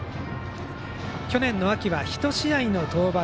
去年秋は１試合登板。